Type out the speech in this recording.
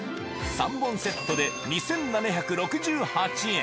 ３本セットで２７６８円。